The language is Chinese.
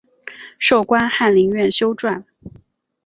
授官翰林院修撰。